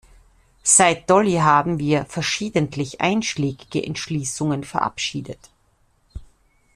Seit Dolly haben wir verschiedentlich einschlägige Entschließungen verabschiedet.